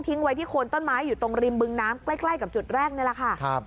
ไว้ที่โคนต้นไม้อยู่ตรงริมบึงน้ำใกล้ใกล้กับจุดแรกนี่แหละค่ะ